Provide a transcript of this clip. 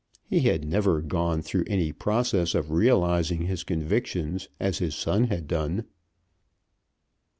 He had never gone through any process of realizing his convictions as his son had done.